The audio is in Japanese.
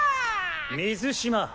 水嶋！